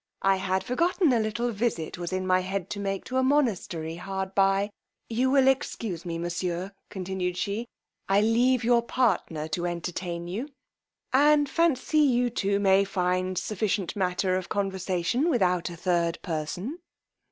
I had forgot a little visit was in my head to make to a monastery hard by: you will excuse me, monsieur, continued she, I leave your partner to entertain you, and fancy you two may find sufficient matter of conversation without a third person.